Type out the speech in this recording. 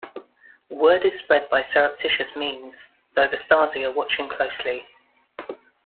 Word is spread by surreptitious means, though the Stasi are watching closely.